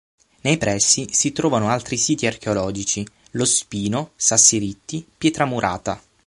Nei pressi si trovano altri siti archeologici: Lo Spino, Sassi Ritti, Pietra Murata.